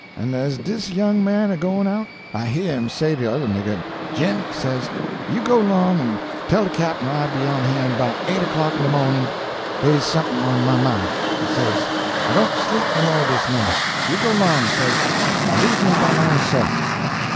An' as dis young man a goin' out, I heah him say to another nigger, 'Jim,' he says, 'you go 'long an' tell de cap'n I be on han' 'bout eight o'clock in de mawnin'; dey's somefin on my mine,' he says; 'I don't sleep no mo' dis night. You go 'long,' he says, 'an' leave me by my own se'f.'